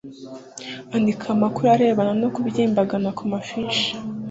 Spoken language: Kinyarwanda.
andika amakuru arebana no kubyimbagana ku mafishi